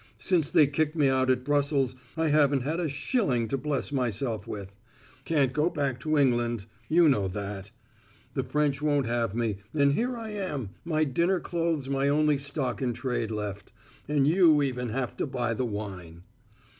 Since they kicked me out at Brussels I haven't had a shilling to bless myself with. Can't go back to England you know that; the French won't have me, and here I am, my dinner clothes my only stock in trade left, and you even having to buy the wine."